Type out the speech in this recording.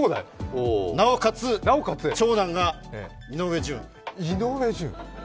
なおかつ、長男が井上順。